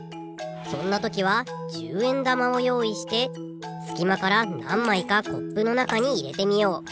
そんなときは１０円玉をよういしてすきまからなんまいかコップのなかにいれてみよう。